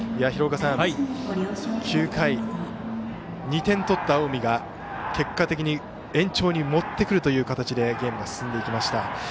廣岡さん、９回２点取った近江が結果的に延長に持ってくるという形でゲームが進んでいきました。